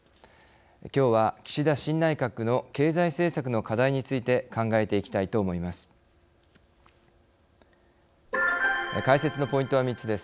きょうは岸田新内閣の経済政策の課題について考えていきたいと思います。